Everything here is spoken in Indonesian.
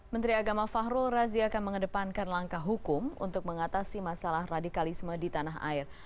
menteri agama fahrul razi akan mengedepankan langkah hukum untuk mengatasi masalah radikalisme di tanah air